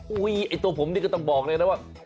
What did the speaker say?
ไอ้ตัวผมนี่ก็ต้องบอกเลยนะว่า